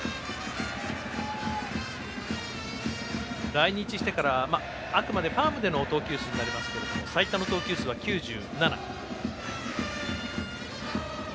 来日してから、あくまでファームでの投球数になりますけども最多の投球数は９７。